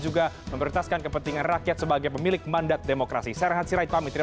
juga memberitaskan kepentingan rakyat sebagai pemilik mandat demokrasi serhat sirait pamit